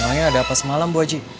emangnya ada apa semalam bu haji